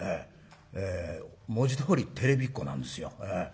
文字どおりテレビっ子なんですよ。